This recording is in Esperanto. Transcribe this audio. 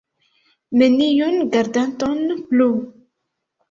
Neniun gardanton plu!